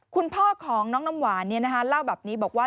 คุณพ่อของน้องน้ำหวานเล่าแบบนี้บอกว่า